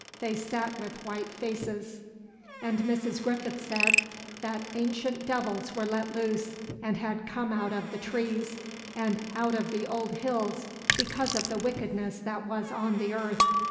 They sat with white faces, and Mrs. Griffith said that ancient devils were let loose and had come out of the trees and out of the old hills because of the wickedness that was on the earth.